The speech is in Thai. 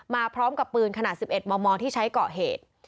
มาพร้อมกับปืนขนาด๑๑มมที่ใช้ก่อเหตุ